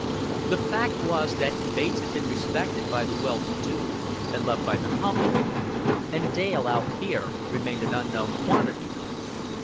The fact was that Bates had been respected by the well to do and loved by the humble; and Dale, out here, remained an unknown quantity.